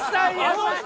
あの人。